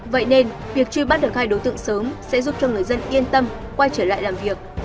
vậy nên việc truy bắt được hai đối tượng sớm sẽ giúp cho người dân yên tâm quay trở lại làm việc